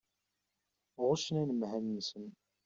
Ɣuccen anemhal-nsen.